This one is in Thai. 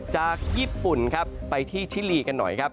จากญี่ปุ่นครับไปที่ชิลีกันหน่อยครับ